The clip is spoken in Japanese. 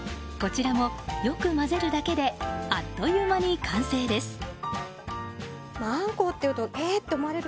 こちらもよく混ぜるだけであっという間に完成です。